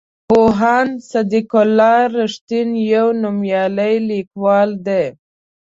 پوهاند صدیق الله رښتین یو نومیالی لیکوال دی.